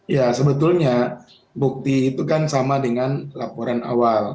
ya sebetulnya bukti itu kan sama dengan laporan awal